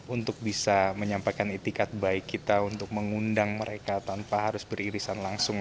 untuk bisa menyampaikan itikat baik kita untuk mengundang mereka tanpa harus beririsan langsung